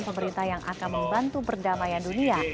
pemerintah yang akan membantu perdamaian dunia